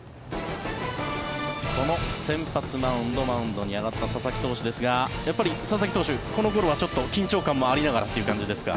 この先発マウンドマウンドに上がった佐々木投手ですがやっぱり佐々木投手この頃は緊張感もありながらという感じですか。